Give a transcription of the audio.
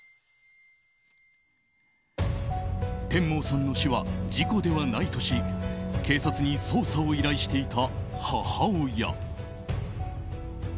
テンモーさんの死は事故ではないとし警察に捜査を依頼していた母親。